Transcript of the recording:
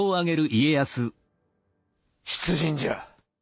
出陣じゃ。